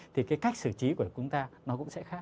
thì cái cách xử trí của chúng ta nó cũng sẽ khác